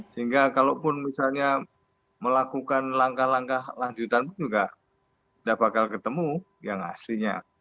sehingga kalaupun misalnya melakukan langkah langkah lanjutan pun juga tidak bakal ketemu yang aslinya